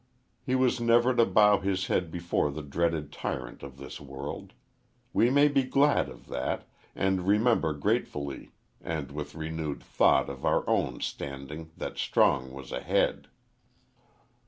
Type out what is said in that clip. He was never to bow his head before the dreaded tyrant of this world. We may be glad of that, and remember gratefully and with renewed thought of our own standing that Strong was ahead.